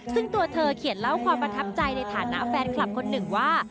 ซึ่งตัวเธอเขียนเล่าความประทับใจในฐานะแฟนคลับคนหนึ่งว่า